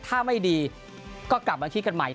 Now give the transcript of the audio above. ถ้าไม่ดีก็กลับมาที่กันใหม่